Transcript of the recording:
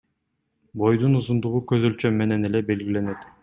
Бойдун узундугу көз өлчөм менен эле белгиленет.